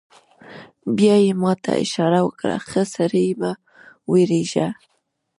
بیا یې ما ته اشاره وکړه: ښه سړی، مه وېرېږه.